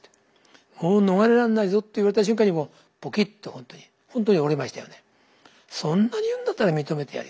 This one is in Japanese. もう逃れらんないぞって言われた瞬間にポキッとほんとにほんとに折れましたよね。